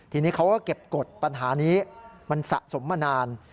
ทีนี้เขาก็เก็บกฎปัญหานี้มันสะสมมานาน